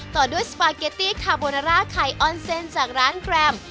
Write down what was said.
ต่อด้วยสปาเกตตี้คาโบนาร่าไข่ออนเซนจากร้านแกรม